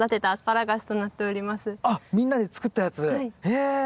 へえ！